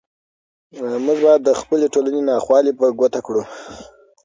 موږ باید د خپلې ټولنې ناخوالې په ګوته کړو.